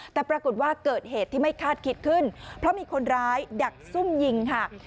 แต่ปรากฏว่าเกิดเหตุที่ไม่คาดคิดขึ้นเพราะมีคนร้ายดักซุ่มยิงค่ะ